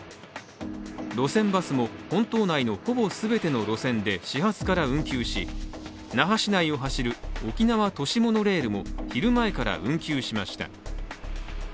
路線バスも本島内のほぼ全ての路線で始発から運休し、那覇市内を走る沖縄都市モノレールも昼前から運休しました。